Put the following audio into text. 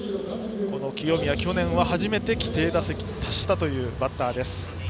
清宮、去年は初めて規定打席に達したというバッターです。